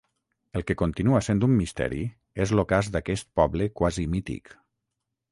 El que continua sent un misteri és l'ocàs d'aquest poble quasi mític.